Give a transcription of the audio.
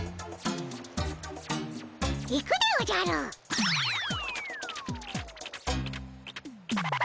行くでおじゃるっ！